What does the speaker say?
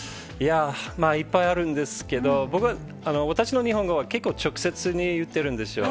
いっぱいあるんですけど、僕は、わたしの日本語は結構、直接に言ってるんですよ。